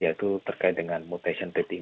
yaitu terkait dengan mutation dating